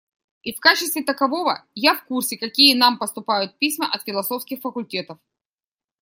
И в качестве такового я в курсе какие нам поступают письма от философских факультетов.